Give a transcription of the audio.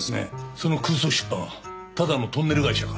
その空想出版ただのトンネル会社か？